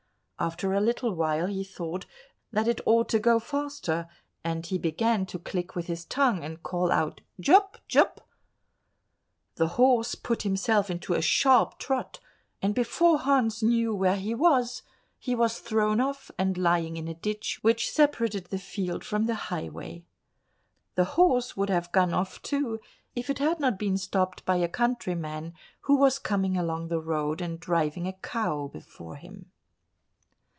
After a little while he thought that it ought to go faster, and he began to click with his tongue and call out, "Jup! Jup!" The horse put himself into a sharp trot, and before Hans knew where he was, he was thrown off and lying in a ditch which separated the field from the highway. The horse would have gone off too if it had not been stopped by a countryman, who was coming along the road and driving a cow before him.